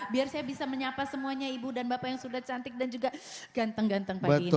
biar saya bisa menyapa semuanya ibu dan bapak yang sudah cantik dan juga ganteng ganteng pagi ini